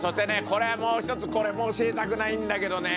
これもう一つこれも教えたくないんだけどね